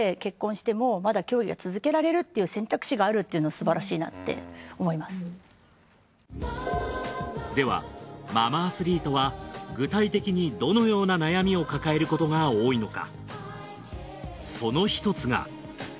すごくこういうではママアスリートは具体的にどのような悩みを抱えることが多いのか。